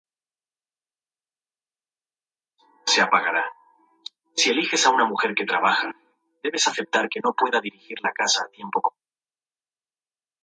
El pan blanco se critica a menudo por ser menos nutritivo que otros panes.